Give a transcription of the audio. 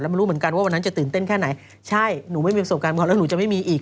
ไม่รู้เหมือนกันว่าวันนั้นจะตื่นเต้นแค่ไหนใช่หนูไม่มีประสบการณ์พอแล้วหนูจะไม่มีอีก